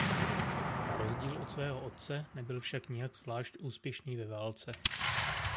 Na rozdíl od svého otce nebyl však nijak zvlášť úspěšný ve válce.